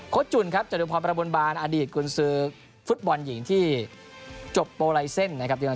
โคตรจุนจริงพรประบวนบาลอดีตกุญศึกฟุตบอลหญิงที่จบโปรไลเซ็นต์